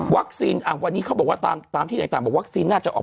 อ่อวัคซีนอะวันนี้เขาบอกว่าตามที่แต่บอกวัคซีนน่าจะออก